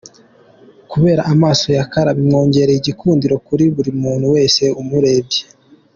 Kubera amaso ya Cara bimwongerere igikundiro kuri buri muntu wese umurebye.